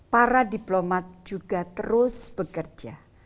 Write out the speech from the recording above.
para diplomat juga terus bekerja